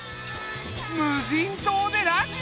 無人島でラジオ！